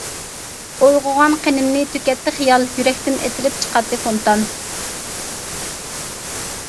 ئۇرغۇغان قېنىمنى تۆكەتتى خىيال، يۈرەكتىن ئېتىلىپ چىقاتتى فونتان.